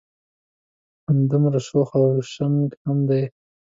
همدمره شوخ او شنګ هم دی.